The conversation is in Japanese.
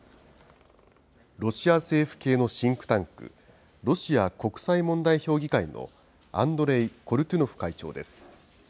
ロシア政府系のシンクタンク、ロシア国際問題評議会のアンドレイ・コルトゥノフ会長です。